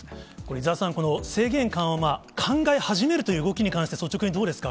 伊沢さん、制限緩和は、考え始めるという動きに関して、率直にどうですか。